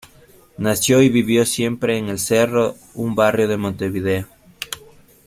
Nació y vivió siempre en el Cerro, un barrio de Montevideo.